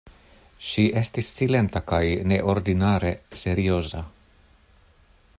Ŝi estis silenta kaj neordinare serioza.